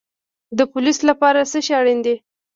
د پولیس لپاره څه شی اړین دی؟